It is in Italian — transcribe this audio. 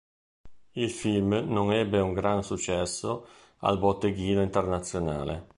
Il film non ebbe un gran successo al botteghino internazionale.